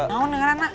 nau denger nak